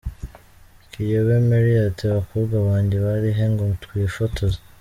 Kiyobe Merry ati "Abakobwa banjye bari he ngo twifotoze".